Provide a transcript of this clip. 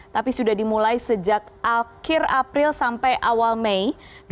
tapi sudah dimulai sejak akhir april sampai awal mei dua ribu dua puluh